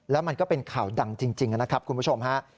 แล้วมันก็เป็นข่าวดังจริงนะครับคุณผู้ชมฮะ